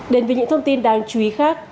đến với những thông tin đáng chú ý